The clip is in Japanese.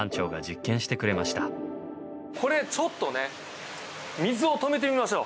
これちょっとね水を止めてみましょう。